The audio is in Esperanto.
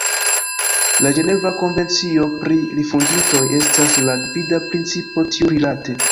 La Ĝeneva konvencio pri rifuĝintoj estas la gvida principo tiurilate.